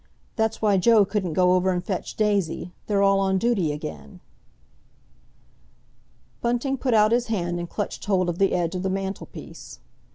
That's why Joe couldn't go over and fetch Daisy. They're all on duty again." Bunting put out his hand and clutched hold of the edge of the mantelpiece.